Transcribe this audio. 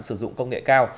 sử dụng công nghệ cao